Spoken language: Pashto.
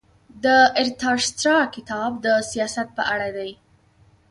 د ارتاشاسترا کتاب د سیاست په اړه دی.